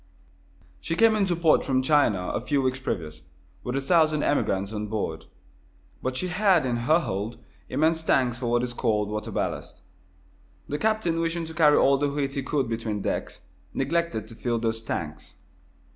She came into port from China, a few weeks previous, with a thousand emigrants on board. But she had in her hold immense tanks for what is called water ballast. The captain, wishing to carry all the wheat he could between decks, neglected to fill those tanks.